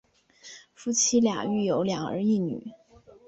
夫妇俩育有两儿一女。